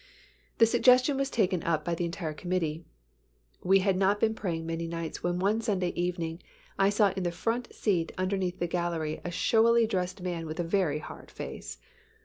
The suggestion was taken up by the entire committee. We had not been praying many nights when one Sunday evening I saw in the front seat underneath the gallery a showily dressed man with a very hard face.